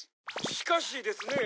「しかしですね